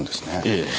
ええ。